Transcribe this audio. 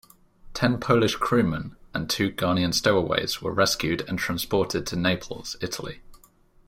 Ten Polish crewman and two Ghanian stowaways were rescued and transported to Naples, Italy.